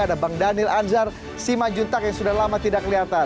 ada bang daniel anzar simanjuntak yang sudah lama tidak kelihatan